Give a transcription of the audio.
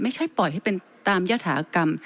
ไม่ใช่ปล่อยให้เป็นตามยฐากรรม